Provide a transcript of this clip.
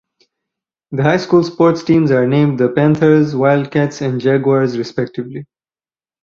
The high school sports teams are named the Panthers, Wildcats, and Jaguars, respectively.